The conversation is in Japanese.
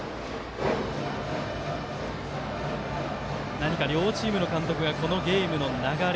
何か両チームの監督がこのゲームの流れ。